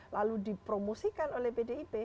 lalu dipromosikan oleh pdi